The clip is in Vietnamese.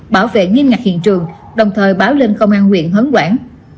bảo vệ nghiêm ngặt hiện trường đồng thời báo lên công an huyện hấn quảng